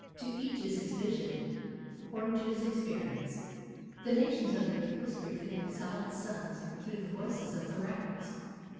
To each is his vision, according to his experience. The nations of the earth whisper to their exiled sons through the voices of the rapids.